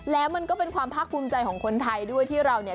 แล้วมันก็เป็นความภาคภูมิใจของคนไทยด้วยที่เราเนี่ย